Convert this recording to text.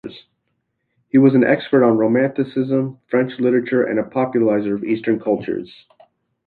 He was an expert on Romanticism, French literature and a popularizer of Eastern cultures.